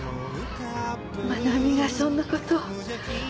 愛美がそんな事を。